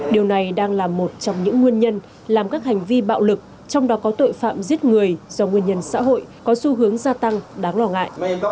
điều này đang là một trong những nguyên nhân làm các hành vi bạo lực trong đó có tội phạm giết người do nguyên nhân xã hội có xu hướng gia tăng đáng lo ngại